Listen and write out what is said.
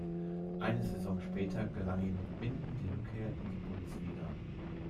Eine Saison später gelang ihm mit Minden die Rückkehr in die Bundesliga.